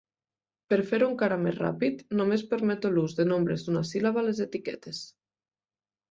Per fer-ho encara més ràpid, només permeto l'ús de nombres d'una síl·laba a les etiquetes.